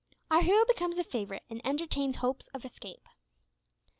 OUR HERO BECOMES A FAVOURITE, AND ENTERTAINS HOPES OF ESCAPE.